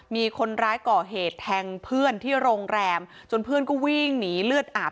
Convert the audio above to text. มีคนร้ายก่อเหตุแทงเพื่อนที่โรงแรมจนเพื่อนก็วิ่งหนีเลือดอาบ